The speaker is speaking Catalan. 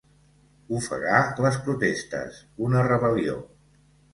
Ofegar les protestes, una rebel·lió.